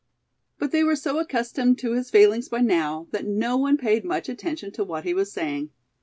But they were so accustomed to his failings by now that no one paid much attention to what he was saying.